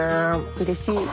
うれしい。